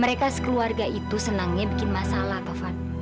mereka sekeluarga itu senangnya bikin masalah tovan